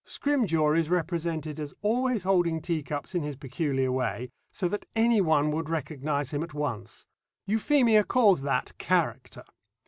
Scrimgeour is represented as always holding teacups in his peculiar way, so that anyone would recognise him at once. Euphemia calls that character.